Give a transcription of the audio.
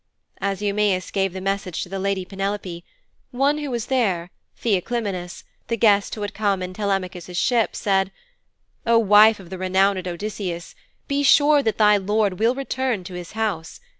As Eumæus gave the message to the lady Penelope, one who was there, Theoclymenus, the guest who had come in Telemachus' ship, said, 'O wife of the renowned Odysseus, be sure that thy lord will return to his house.